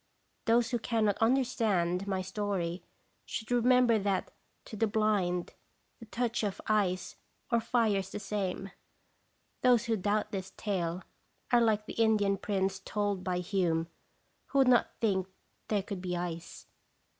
Those who cannot un derstand my story should remember that to the blind the touch of ice or fire is the same. Those who doubt this tale are like the Indian prince told of by Hume, who would not think thare could be ice.